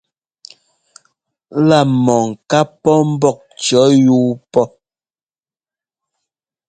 La mɔ ŋká pɔ mbɔ́k cʉ̈ yuu pɔ.